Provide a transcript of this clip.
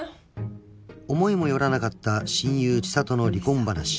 ［思いもよらなかった親友千さとの離婚話］